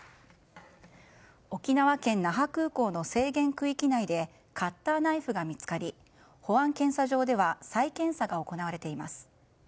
沖縄県那覇空港の制限区域内でカッターナイフが見つかり保安検査場では再検査が行われています。